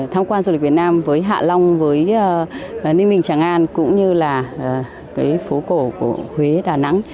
tham quan du lịch việt nam với hạ long với ninh bình tràng an cũng như là cái phố cổ của huế đà nẵng